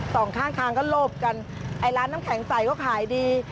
สองข้างทางก็โลบกันไอ้ร้านน้ำแข็งใสก็ขายดี